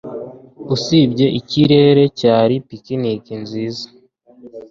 Usibye ikirere, cyari picnic nziza.